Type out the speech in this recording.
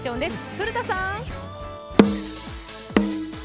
古田さん！